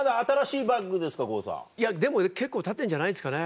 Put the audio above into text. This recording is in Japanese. いやでも結構たってんじゃないですかね。